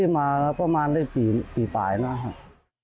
มาประมาณได้ปีบ่ายนะครับ